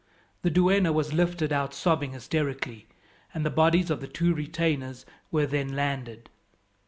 The duenna was lifted out sobbing hysterically, and the bodies of the two retainers were then landed.